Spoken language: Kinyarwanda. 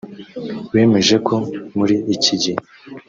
bemeje ko muri iki gihe